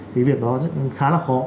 thì việc đó cũng khá là khó